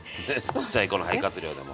ちっちゃい子の肺活量でも。